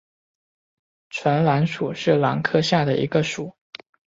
唇兰属是兰科下的一个属。